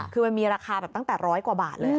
คือมันมีราคาตั้งแต่๑๐๐กว่าบาทเลย